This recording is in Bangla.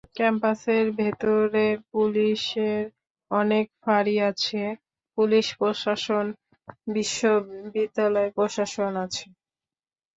ক্যাম্পাসের ভেতরে পুলিশের অনেক ফাঁড়ি আছে, পুলিশ প্রশাসন, বিশ্ববিদ্যালয় প্রশাসন আছে।